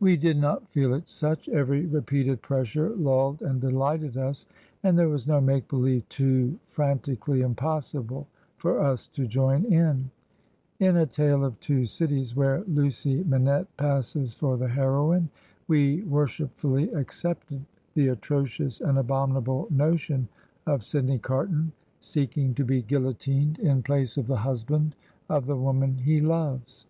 We did not feel it such; every repeated pressure lulled and delighted us; and there was no make believe too frantically impossible for us to join in. In "A Tale of Two Cities," where Lucie Manette passes for the heroine, we worshipfuUy accepted the atrocious and abominable notion of Sidney Carton seeking to be guillotined in place of the husband of the woman he loves.